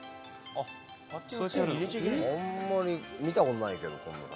あんまり見たことないけど。